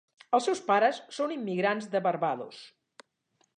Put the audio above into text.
Els seus pares són immigrants de Barbados.